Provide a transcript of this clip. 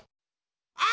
あ！